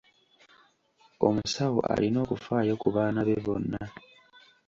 Omusawo alina okufaayo ku baana be bonna.